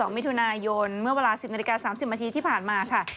มิถุนายนเมื่อเวลา๑๐นาฬิกา๓๐นาทีที่ผ่านมาค่ะ